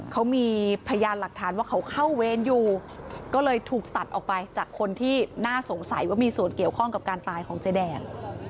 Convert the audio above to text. เขามีพยานหลักฐานว่าเขาเข้าเวรอยู่ก็เลยถูกตัดออกไปจากคนที่น่าสงสัยว่ามีส่วนเกี่ยวข้องกับการตายของเจ๊แดง